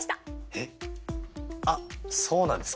えっあっそうなんですか？